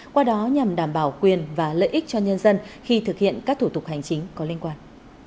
qua đó nhằm đảm bảo quyền và lợi ích cho nhân dân khi thực hiện các thủ tục hành chính có liên quan